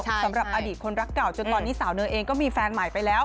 สำหรับอดีตคนรักเก่าจนตอนนี้สาวเนยเองก็มีแฟนใหม่ไปแล้ว